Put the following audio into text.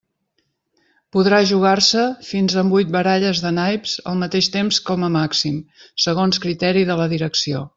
Podrà jugar-se fins amb huit baralles de naips al mateix temps com a màxim, segons criteri de la direcció.